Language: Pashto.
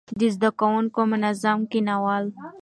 د زده کوونکو منظم کښينول،